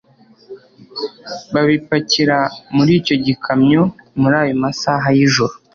babipakira muricyo gikamyo murayo masaha yijoro